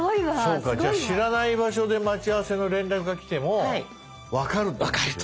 そうかじゃあ知らない場所で待ち合わせの連絡が来ても分かるってこと。